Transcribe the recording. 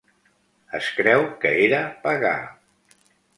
Es creu que era pagà.